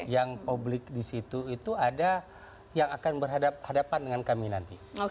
yang publik di situ itu ada yang akan berhadapan dengan kami nanti